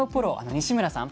西村さん